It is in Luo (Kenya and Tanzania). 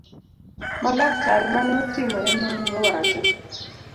ma laktar mane otimo ne nonro wacho